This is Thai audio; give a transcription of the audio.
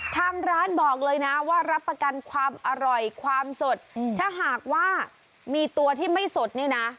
ทางร้านบอกเลยนะว่ารับประกันความอร่อยความสดถ้าหากว่ามีตัวที่ไม่สดนี่นะ